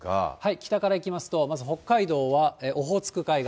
北からいきますと、まず北海道は、オホーツク海側。